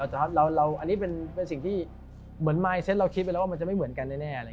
เหมือนว่าร้ายมันจะไม่เหมือนกัน